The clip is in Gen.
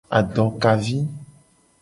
Adokavi.